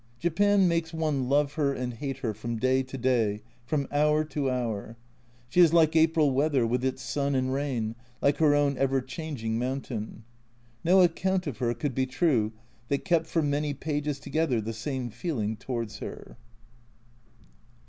Japan makes one love her and hate her from day to day, from hour to hour. She is like April weather with its sun and rain, like her own ever changing mountain. No account of her could be true that kept for many pages together the same feeling towards her.